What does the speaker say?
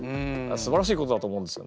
すばらしいことだと思うんですよね。